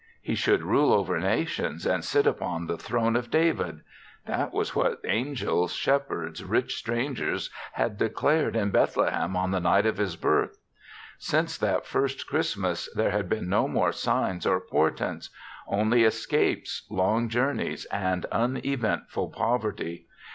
He should rule over nations and sit upon the throne of David. That was what angels, shepherds, rich strangers had declared in Bethlehem on the night of his birth. Since that first Christ mas there had been no more signs; or. portents — only escapes, long jour neys and uneventful poverty.